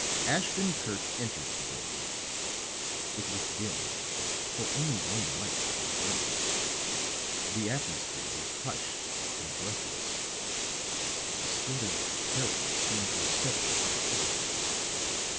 Ashton Kirk entered the room; it was dim, for only one light was burning; the atmosphere was hushed and breathless; a sort of terror seemed to have settled over everything.